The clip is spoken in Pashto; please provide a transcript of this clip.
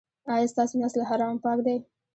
ایا ستاسو نس له حرامو پاک دی؟